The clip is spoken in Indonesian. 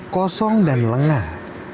kosong dan lengah